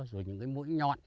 rồi những cái mũi nhọn